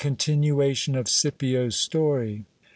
— Continuation ofScipids story.